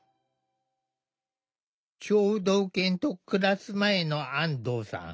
聴導犬と暮らす前の安藤さん。